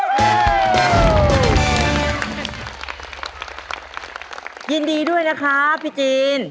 สวัสดีค่ะพี่จีน